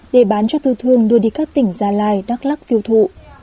để bán cho tư thương đưa đi các tỉnh gia lai đắk lắc tiêu thụ